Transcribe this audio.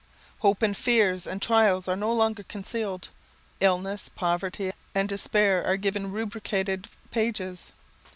Hopes and fears and trials are no longer concealed. Illness, poverty, and despair are given rubricated pages.